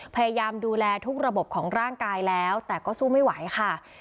พยายามดูแลทุกระบบของร่างกายแล้วแต่ก็สู้ไม่ไหวค่ะ